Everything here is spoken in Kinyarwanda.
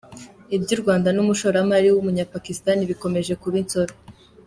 Ibyu Rwanda n’umushoramari w’Umunyapakisitani bikomeje kuba insobe